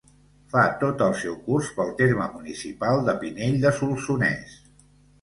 Fa tot el seu curs pel terme municipal de Pinell de Solsonès.